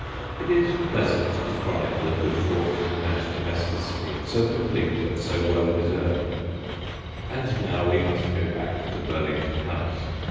It is pleasant to chronicle a good fortune and domesticity so complete and so well deserved. And now we must go back to Burlington House.